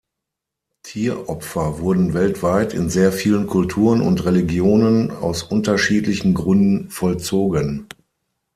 Tieropfer wurden weltweit in sehr vielen Kulturen und Religionen aus unterschiedlichen Gründen vollzogen.